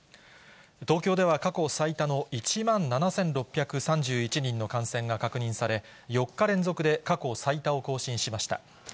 東京では過去最多の１万７６３１人の感染が確認され、４日連続で過去最多を更新しました。